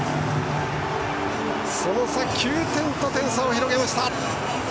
その差、９点と点差を広げました。